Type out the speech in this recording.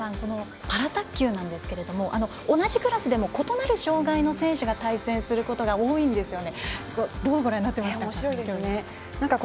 パラ卓球ですが同じクラスでも異なる障がいの方が対戦することが多いんですよね。